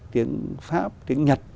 tiếng pháp tiếng nhật